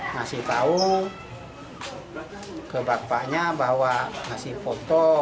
ngasih tahu ke bapaknya bahwa ngasih foto